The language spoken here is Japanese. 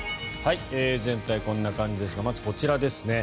全体こんな感じですがまず、こちらですね。